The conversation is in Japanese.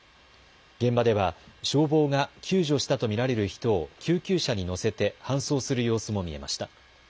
現場では消防が救助したと見られる人を救急車に乗せて搬送する様子も見えました。